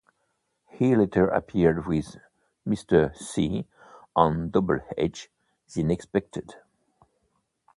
He later appeared with Mr. Cee on "Double H: The Unexpected".